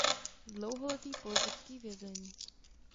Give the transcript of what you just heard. Dlouholetý politický vězeň.